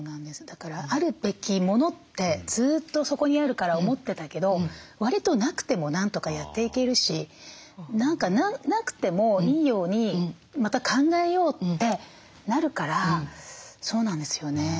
だからあるべき物ってずっとそこにあるから思ってたけどわりとなくてもなんとかやっていけるし何かなくてもいいようにまた考えようってなるからそうなんですよね。